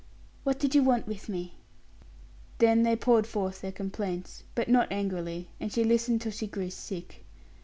"What did you want with me?" Then they poured forth their complaints, but not angrily, and she listened till she grew sick.